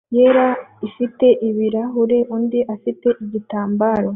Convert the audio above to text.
yera ifite ibirahuri undi afite igitambaro